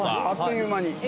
あっという間に。